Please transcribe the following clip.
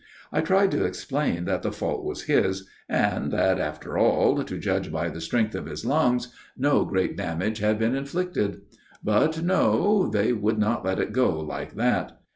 I tried to explain that the fault was his, and that, after all, to judge by the strength of his lungs, no great damage had been inflicted. But no. They would not let it go like that.